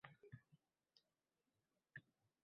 Bu sahna uslubi deyiladi